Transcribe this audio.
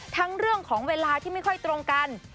ทั้งเรื่องของเวลาที่ไม่ค่อยตรงกัน